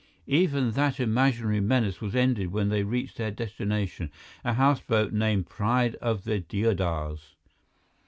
Even that imaginary menace was ended when they reached their destination, a houseboat named Pride of the Deodars.